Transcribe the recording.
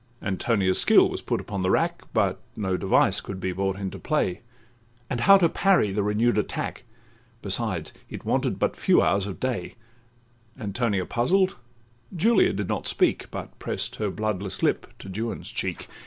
Antonia's skill was put upon the rack, But no device could be brought into play— And how to parry the renew'd attack? Besides, it wanted but few hours of day: Antonia puzzled; Julia did not speak, But press'd her bloodless lip to Juan's cheek.